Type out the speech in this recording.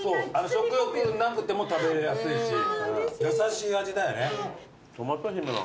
食欲なくても食べやすいし優しい味だよね。